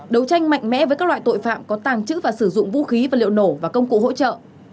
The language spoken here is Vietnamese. đấu tranh mạnh mẽ với các loại tội phạm có tàng trữ và sử dụng vũ khí vật liệu nổ và công cụ hỗ trợ